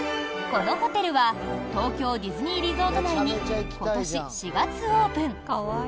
このホテルは東京ディズニーリゾート内に今年４月オープン。